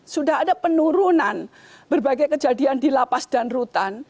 sudah ada penurunan berbagai kejadian di lapas dan rutan